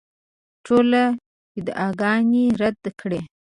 ټولې ادعاګانې رد کړې.